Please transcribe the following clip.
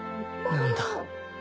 何だ？